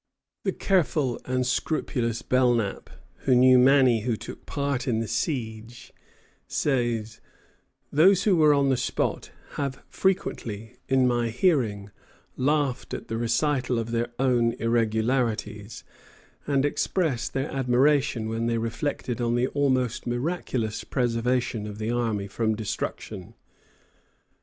The careful and scrupulous Belknap, who knew many who took part in the siege, says: "Those who were on the spot have frequently, in my hearing, laughed at the recital of their own irregularities, and expressed their admiration when they reflected on the almost miraculous preservation of the army from destruction."